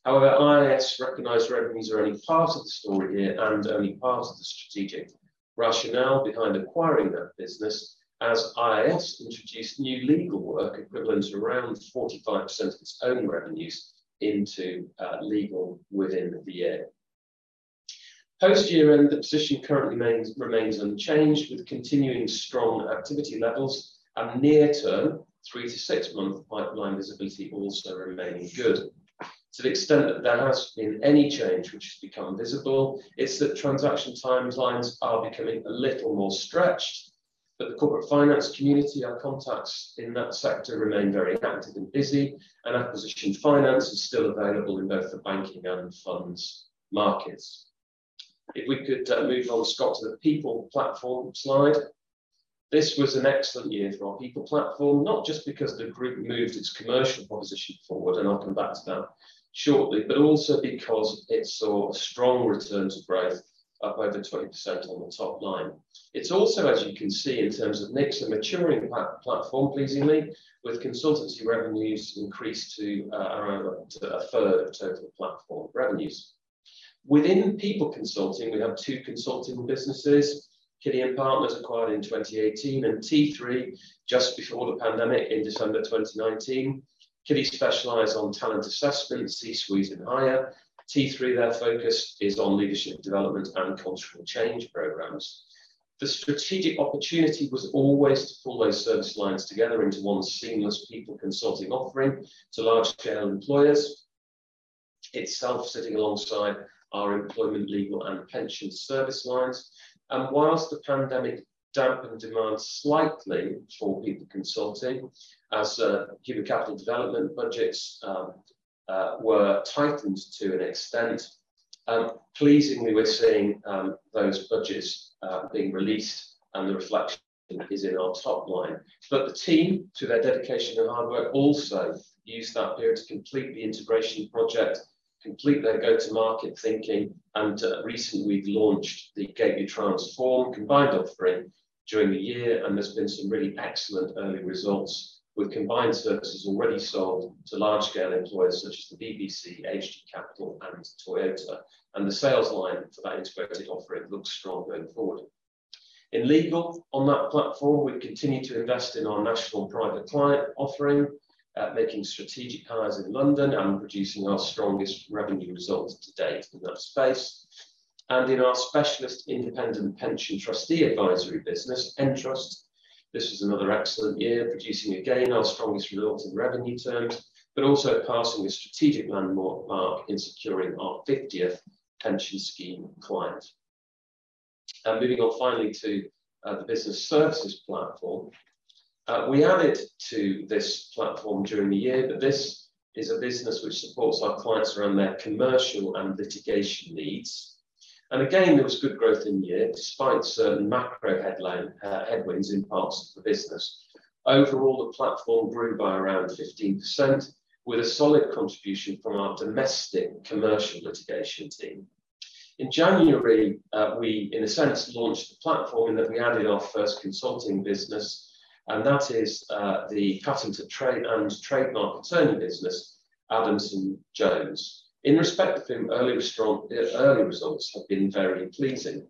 However, IIS recognize revenues are only part of the story here and only part of the strategic rationale behind acquiring that business as IIS introduced new legal work equivalent to around 45% of its own revenues into legal within the year. Post-year-end, the position currently remains unchanged with continuing strong activity levels and near-term, three to six-month pipeline visibility also remaining good. To the extent that there has been any change which has become visible, it's that transaction timelines are becoming a little more stretched. The corporate finance community, our contacts in that sector remain very active and busy, and acquisition finance is still available in both the banking and funds markets. If we could move on, Scott, to the people platform slide. This was an excellent year for our people platform, not just because the group moved its commercial proposition forward, and I'll come back to that shortly, but also because it saw strong revenue growth up over 20% on the top line. It's also, as you can see in terms of mix, a maturing platform, pleasingly, with consultancy revenues increased to around 1/3 of total platform revenues. Within people consulting, we have two consulting businesses, Kiddy & Partners acquired in 2018, and T-three just before the pandemic in December 2019. Kiddy specialize on talent assessment, C-suites and higher. T-three, their focus is on leadership development and cultural change programs. The strategic opportunity was always to pull those service lines together into one seamless people consulting offering to large-scale employers, itself sitting alongside our employment, legal and pension service lines. While the pandemic dampened demand slightly for people consulting as human capital development budgets were tightened to an extent, pleasingly, we're seeing those budgets being released and the reflection is in our top line. The team, to their dedication and hard work, also used that period to complete the integration project, complete their go-to-market thinking, and recently we've launched the Gateley Transform combined offering during the year, and there's been some really excellent early results with combined services already sold to large-scale employers such as the BBC, Hg and Toyota. The sales line for that integrated offering looks strong going forward. In legal, on that platform, we continue to invest in our national private client offering, making strategic hires in London and producing our strongest revenue results to date in that space. In our specialist independent pension trustee advisory business, Entrust, this was another excellent year, producing again our strongest results in revenue terms, but also passing a strategic landmark in securing our 50th pension scheme client. Moving on finally to the business services platform. We added to this platform during the year, but this is a business which supports our clients around their commercial and litigation needs. Again, there was good growth in the year despite certain macro headwinds in parts of the business. Overall, the platform grew by around 15% with a solid contribution from our domestic commercial litigation team. In January, we, in a sense, launched the platform in that we added our first consulting business, and that is the patent and trademark attorney business, Adamson Jones. In respect of them, early results have been very pleasing.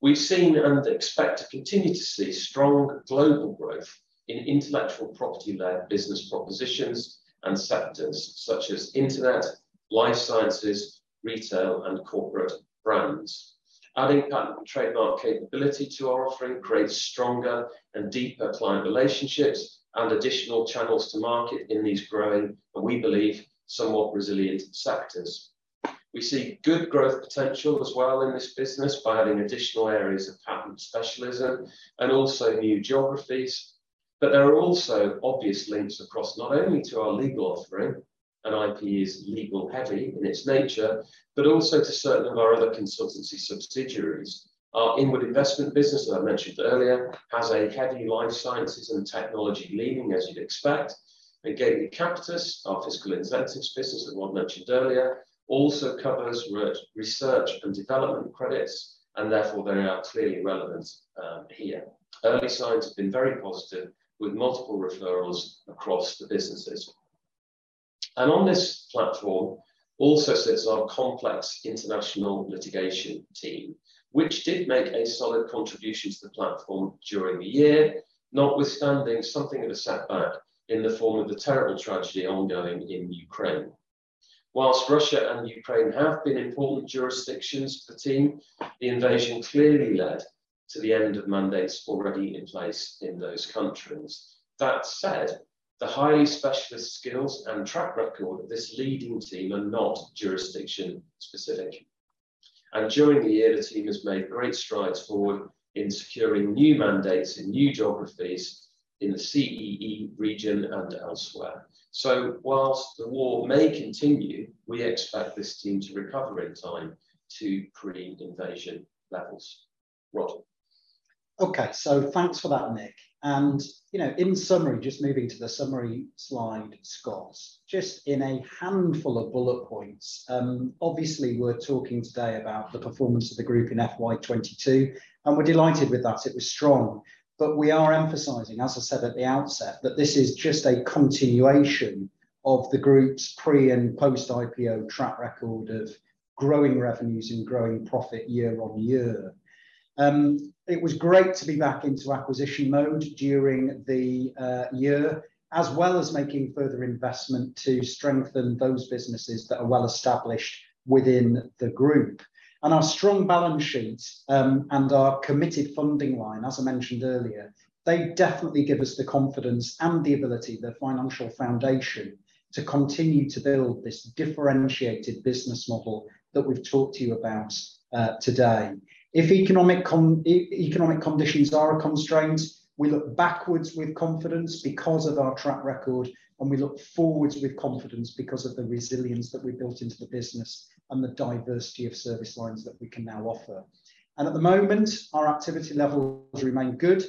We've seen and expect to continue to see strong global growth in intellectual property-led business propositions and sectors such as internet, life sciences, retail, and corporate brands. Adding patent and trademark capability to our offering creates stronger and deeper client relationships and additional channels to market in these growing, and we believe, somewhat resilient sectors. We see good growth potential as well in this business by adding additional areas of patent specialism and also new geographies. There are also obvious links across not only to our legal offering, and IP is legal-heavy in its nature, but also to certain of our other consultancy subsidiaries. Our inward investment business that I mentioned earlier has a heavy life sciences and technology leaning, as you'd expect. Gateley Capitus, our fiscal incentives business that Rod mentioned earlier, also covers research and development credits, and therefore they are clearly relevant, here. Early signs have been very positive with multiple referrals across the businesses. On this platform also sits our complex international litigation team, which did make a solid contribution to the platform during the year, notwithstanding something of a setback in the form of the terrible tragedy ongoing in Ukraine. While Russia and Ukraine have been important jurisdictions for team, the invasion clearly led to the end of mandates already in place in those countries. That said, the highly specialist skills and track record of this leading team are not jurisdiction-specific. During the year, the team has made great strides forward in securing new mandates in new geographies in the CEE region and elsewhere. While the war may continue, we expect this team to recover in time to pre-invasion levels. Rod. Okay. Thanks for that, Nick. You know, in summary, just moving to the summary slide, Scott. Just in a handful of bullet points, obviously we're talking today about the performance of the group in FY 2022, and we're delighted with that. It was strong. We are emphasizing, as I said at the outset, that this is just a continuation of the group's pre and post-IPO track record of growing revenues and growing profit year on year. It was great to be back into acquisition mode during the year, as well as making further investment to strengthen those businesses that are well established within the group. Our strong balance sheet and our committed funding line, as I mentioned earlier, they definitely give us the confidence and the ability, the financial foundation, to continue to build this differentiated business model that we've talked to you about, today. If economic conditions are a constraint, we look backwards with confidence because of our track record, and we look forwards with confidence because of the resilience that we built into the business and the diversity of service lines that we can now offer. At the moment, our activity levels remain good.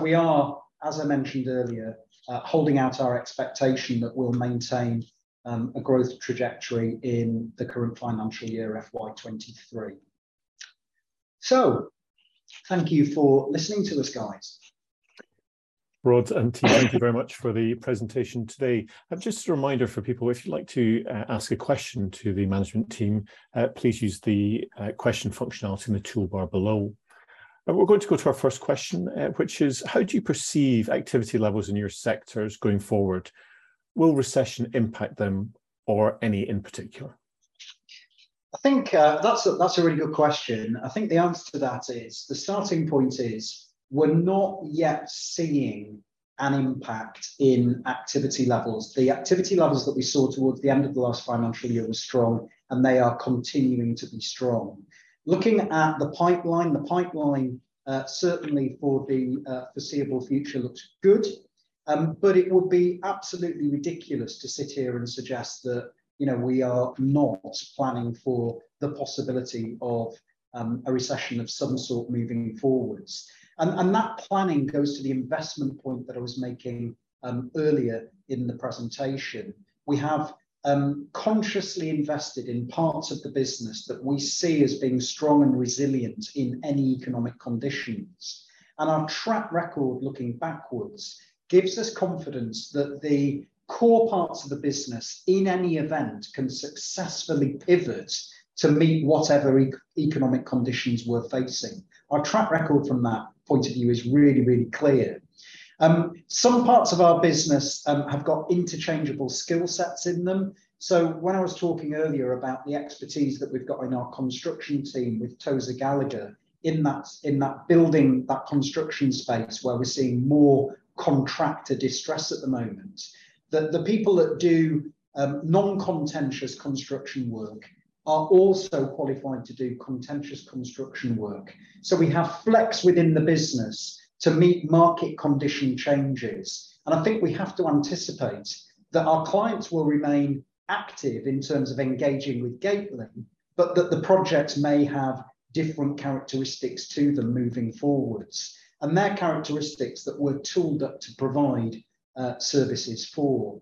We are, as I mentioned earlier, holding out our expectation that we'll maintain a growth trajectory in the current financial year, FY 2023. Thank you for listening to us, guys. Rod and team, thank you very much for the presentation today. Just a reminder for people, if you'd like to ask a question to the management team, please use the question functionality in the toolbar below. We're going to go to our first question, which is, how do you perceive activity levels in your sectors going forward? Will recession impact them or any in particular? I think that's a really good question. I think the answer to that is, the starting point is we're not yet seeing an impact in activity levels. The activity levels that we saw towards the end of the last financial year were strong, and they are continuing to be strong. Looking at the pipeline, certainly for the foreseeable future looks good. It would be absolutely ridiculous to sit here and suggest that, you know, we are not planning for the possibility of a recession of some sort moving forwards. That planning goes to the investment point that I was making earlier in the presentation. We have consciously invested in parts of the business that we see as being strong and resilient in any economic conditions. Our track record looking backwards gives us confidence that the core parts of the business, in any event, can successfully pivot to meet whatever economic conditions we're facing. Our track record from that point of view is really, really clear. Some parts of our business have got interchangeable skill sets in them. When I was talking earlier about the expertise that we've got in our construction team with Tozer Gallagher in that building, that construction space where we're seeing more contractor distress at the moment, the people that do non-contentious construction work are also qualified to do contentious construction work. We have flex within the business to meet market condition changes, and I think we have to anticipate that our clients will remain active in terms of engaging with Gateley, but that the projects may have different characteristics to them moving forward, and their characteristics that we're tooled up to provide services for.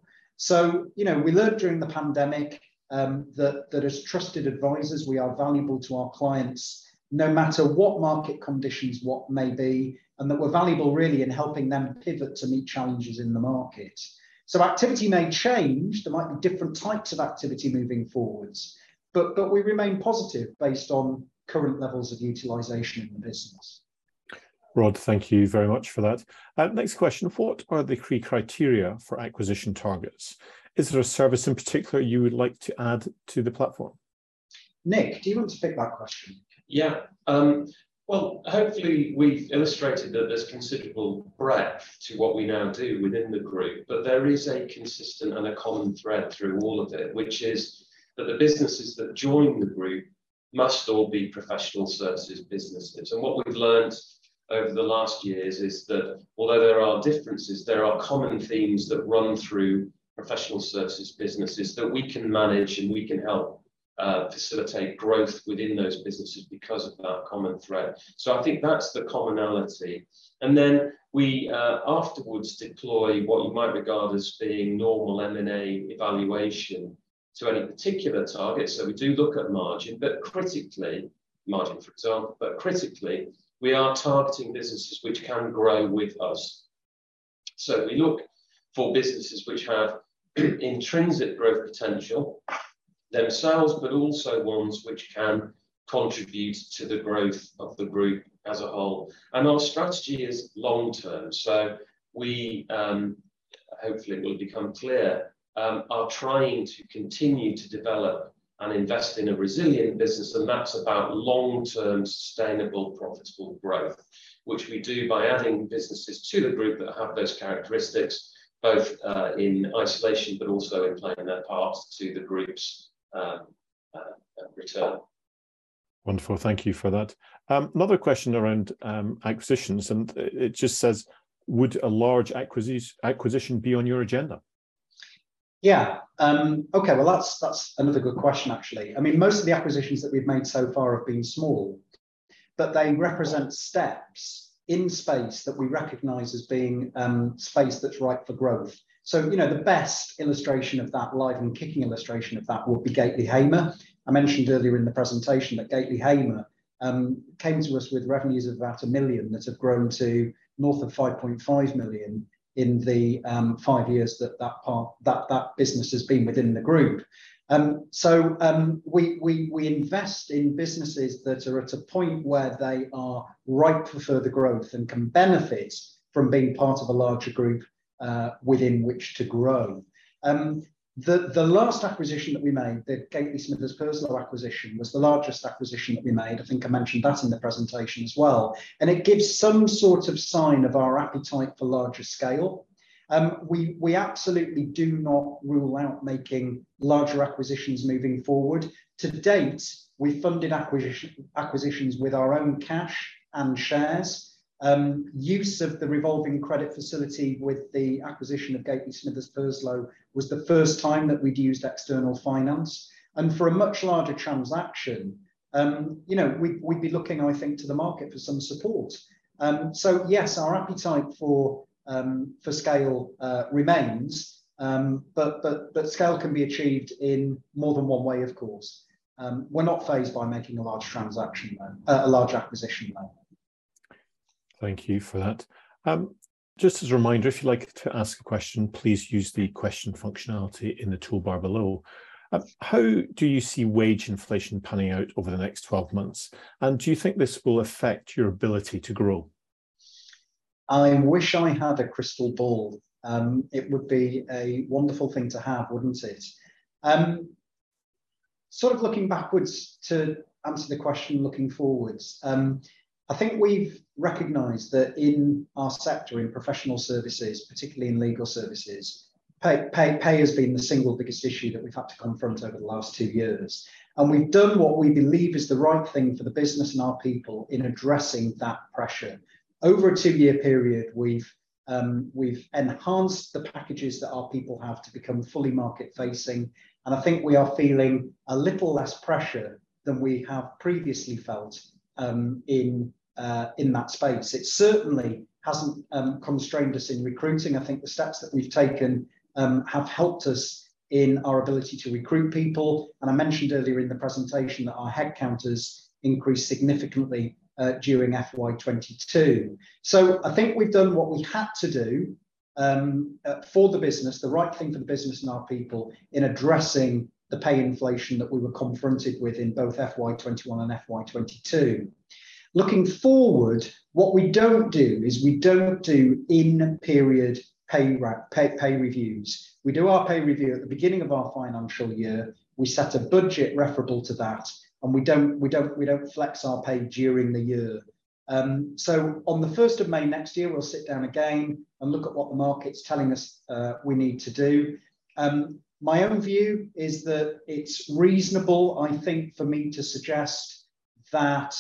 You know, we learned during the pandemic that as trusted advisors, we are valuable to our clients no matter what market conditions, what may be, and that we're valuable really in helping them pivot to meet challenges in the market. Activity may change. There might be different types of activity moving forward. We remain positive based on current levels of utilization in the business. Rod, thank you very much for that. Next question, what are the key criteria for acquisition targets? Is there a service in particular you would like to add to the platform? Nick, do you want to take that question? Yeah. Well, hopefully we've illustrated that there's considerable breadth to what we now do within the group, but there is a consistent and a common thread through all of it, which is that the businesses that join the group must all be professional services businesses. What we've learned over the last years is that although there are differences, there are common themes that run through professional services businesses that we can manage, and we can help facilitate growth within those businesses because of that common thread. I think that's the commonality. Then we afterwards deploy what you might regard as being normal M&A evaluation to any particular target. We do look at margin, but critically, margin, for example, but critically, we are targeting businesses which can grow with us. We look for businesses which have intrinsic growth potential, their sales, but also ones which can contribute to the growth of the group as a whole. Our strategy is long-term. We hopefully it will become clear are trying to continue to develop and invest in a resilient business, and that's about long-term, sustainable, profitable growth, which we do by adding businesses to the group that have those characteristics, both in isolation, but also in playing their part to the group's return. Wonderful. Thank you for that. Another question around acquisitions, and it just says, "Would a large acquisition be on your agenda?" Yeah. Okay. Well, that's another good question, actually. I mean, most of the acquisitions that we've made so far have been small, but they represent steps in space that we recognize as being space that's ripe for growth. You know, the best illustration of that, live and kicking illustration of that, would be Gateley Hamer. I mentioned earlier in the presentation that Gateley Hamer came to us with revenues of about 1 million that have grown to north of 5.5 million in the five years that that business has been within the group. We invest in businesses that are at a point where they are ripe for further growth and can benefit from being part of a larger group within which to grow. The last acquisition that we made, the Gateley Smithers Purslow acquisition, was the largest acquisition that we made. I think I mentioned that in the presentation as well. It gives some sort of sign of our appetite for larger scale. We absolutely do not rule out making larger acquisitions moving forward. To date, we funded acquisitions with our own cash and shares. Use of the revolving credit facility with the acquisition of Gateley Smithers Purslow was the first time that we'd used external finance. For a much larger transaction, you know, we'd be looking, I think, to the market for some support. Yes, our appetite for scale remains. But scale can be achieved in more than one way, of course. We're not fazed by making a large transaction, a large acquisition. Thank you for that. Just as a reminder, if you'd like to ask a question, please use the question functionality in the toolbar below. How do you see wage inflation panning out over the next 12 months? Do you think this will affect your ability to grow? I wish I had a crystal ball. It would be a wonderful thing to have, wouldn't it? Sort of looking backwards to answer the question looking forwards, I think we've recognized that in our sector, in professional services, particularly in legal services, pay has been the single biggest issue that we've had to confront over the last two years. We've done what we believe is the right thing for the business and our people in addressing that pressure. Over a two-year period we've enhanced the packages that our people have to become fully market facing, and I think we are feeling a little less pressure than we have previously felt in that space. It certainly hasn't constrained us in recruiting. I think the steps that we've taken have helped us in our ability to recruit people. I mentioned earlier in the presentation that our headcounts increased significantly during FY 2022. I think we've done what we had to do for the business, the right thing for the business and our people in addressing the pay inflation that we were confronted with in both FY 2021 and FY 2022. Looking forward, what we don't do is we don't do in-period pay reviews. We do our pay review at the beginning of our financial year. We set a budget referable to that, and we don't flex our pay during the year. On the May 1st, next year, we'll sit down again and look at what the market's telling us we need to do. My own view is that it's reasonable, I think, for me to suggest that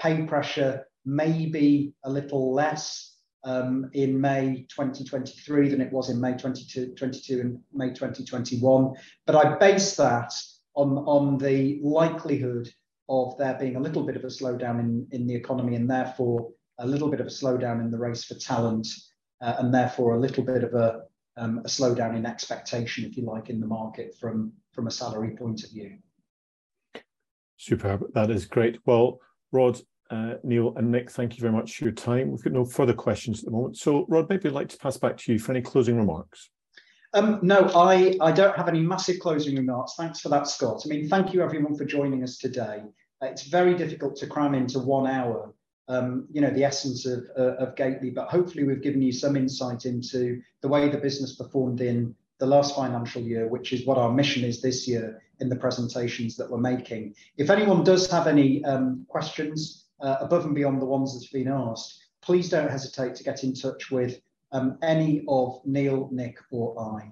pay pressure may be a little less in May 2023 than it was in May 2022 and May 2021. I base that on the likelihood of there being a little bit of a slowdown in the economy, and therefore a little bit of a slowdown in the race for talent, and therefore a little bit of a slowdown in expectation, if you like, in the market from a salary point of view. Superb. That is great. Well, Rod, Neil and Nick, thank you very much for your time. We've got no further questions at the moment, so Rod, maybe I'd like to pass back to you for any closing remarks. No, I don't have any massive closing remarks. Thanks for that, Scott. I mean, thank you everyone for joining us today. It's very difficult to cram into one hour, you know, the essence of Gateley. But hopefully we've given you some insight into the way the business performed in the last financial year, which is what our mission is this year in the presentations that we're making. If anyone does have any questions, above and beyond the ones that's been asked, please don't hesitate to get in touch with any of Neil, Nick, or I.